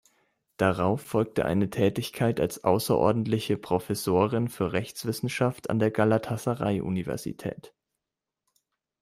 Darauf folgte eine Tätigkeit als außerordentliche Professorin für Rechtswissenschaft an der Galatasaray-Universität.